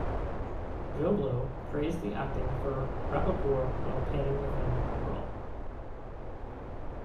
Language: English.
JoBlo praised the acting for Rappaport while panning the film overall.